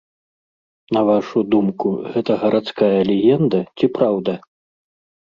На вашу думку, гэта гарадская легенда ці праўда?